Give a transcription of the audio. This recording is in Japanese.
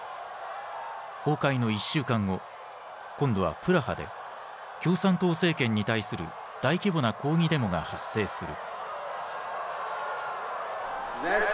崩壊の１週間後今度はプラハで共産党政権に対する大規模な抗議デモが発生する。